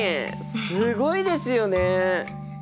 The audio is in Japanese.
すごいですよね！